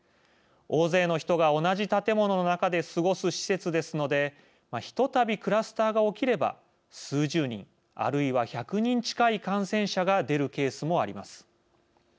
大勢の人が同じ建物の中で過ごす施設ですのでひとたびクラスターが起きれば数十人、あるいは１００人近い感染者が出るケースもあります。